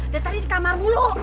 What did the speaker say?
dari tadi di kamar dulu